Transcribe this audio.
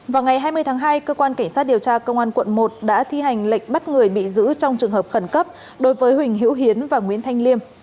vào ngày hai mươi tháng hai cơ quan cảnh sát điều tra công an quận một đã thi hành lệnh bắt người bị giữ trong trường hợp khẩn cấp đối với huỳnh hiễu hiến và nguyễn thanh liêm